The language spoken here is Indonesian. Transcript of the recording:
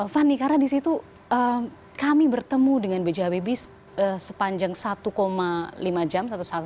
fani karena disitu kami bertemu dengan b j habibi sepanjang satu lima jam